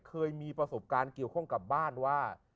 เคยมีประสบการณ์เกี่ยวข้องกับบ้านว่า